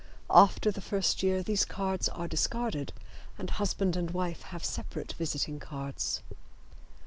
After the first year these cards are discarded, and husband and wife have separate visiting cards.